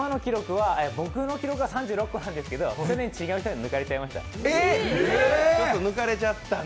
僕の記録は３６個なんですけど、去年、違う人に抜かれちゃいました。